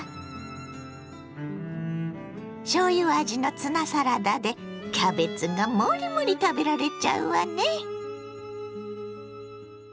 しょうゆ味のツナサラダでキャベツがモリモリ食べられちゃうわね。